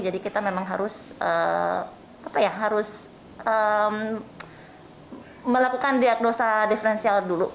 kita memang harus melakukan diagnosa diferensial dulu